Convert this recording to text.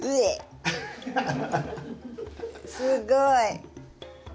すごい。